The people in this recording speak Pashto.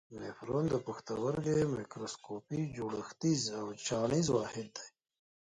نفرون د پښتورګي میکروسکوپي جوړښتیز او چاڼیز واحد دی.